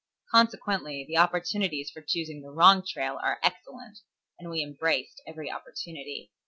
Consequently the opportunities for choosing the wrong trail are excellent, and we embraced every opportunity.